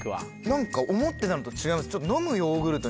何か思ってたのと違います。